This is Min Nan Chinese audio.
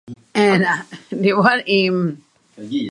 立法院